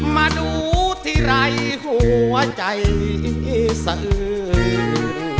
มาดูที่ไร้หัวใจเสอ่ม